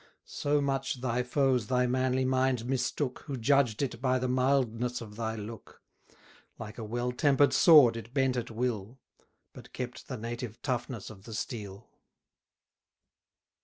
So much thy foes thy manly mind mistook, Who judged it by the mildness of thy look: Like a well temper'd sword it bent at will; But kept the native toughness of the steel.